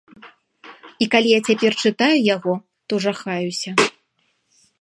І калі я цяпер чытаю яго, то жахаюся.